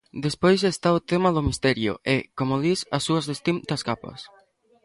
Despois está o tema do misterio e, como dis, as súas distintas capas.